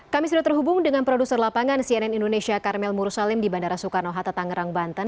kami sudah terhubung dengan produser lapangan cnn indonesia karmel mursalim di bandara soekarno hatta tangerang banten